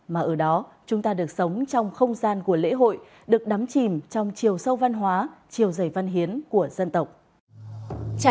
mà ở đó chúng ta được sống trong không gian của lễ hội được đắm chìm trong chiều sâu văn hóa chiều dày văn hiến của dân tộc